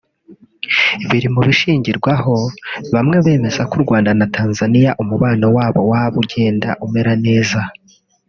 biri mu bishingirwaho bamwe bemeza ko u Rwanda na Tanzaniya umubano wabo waba ugenda umera neza